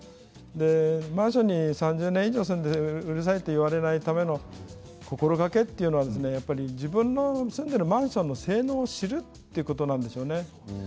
マンションに３０年以上住んでうるさいと言われないための心がけというのは自分の住んでいるマンションの性能を知るということです。